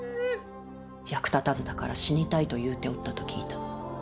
役立たずだから死にたいと言うておったと聞いた。